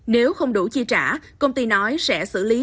nếu không đủ chi trả công ty nói sẽ xử lý